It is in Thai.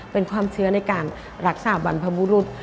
เป็นความเชื่อในการรักษาบรรพบุรุษ